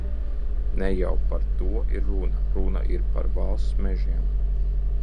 Ne jau par to ir runa, runa ir par valsts mežiem.